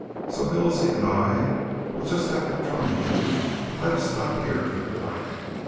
So Milsey and I'll just have to trouble you to let me stop here for the night.